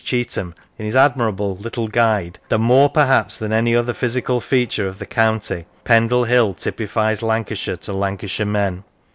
Cheetham, in his admirable " Little Guide," that more perhaps than any other physical feature of the county Pendle Hill typifies Lancashire to Lancashire men.